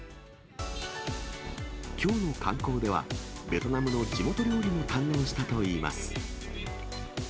きょうの観光では、ベトナムの地元料理も堪能したといいます。